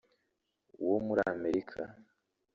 wo muri Amerika